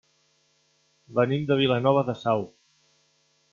Venim de Vilanova de Sau.